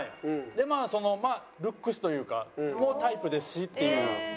でまあルックスというかもタイプですしっていう感じです。